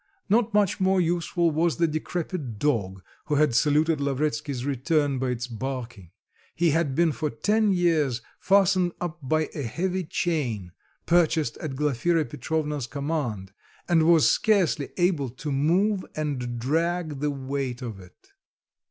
Not much more useful was the decrepit dog who had saluted Lavretsky's return by its barking; he had been for ten years fastened up by a heavy chain, purchased at Glafira Petrovna's command, and was scarcely able to move and drag the weight of it.